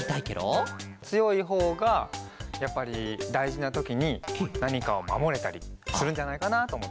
つよいほうがやっぱりだいじなときになにかをまもれたりするんじゃないかなとおもって。